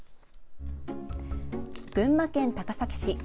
群馬県高崎市。